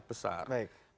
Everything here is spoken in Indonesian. jadi polisi sangat besar